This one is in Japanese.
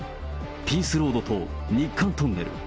ピースロードと日韓トンネル。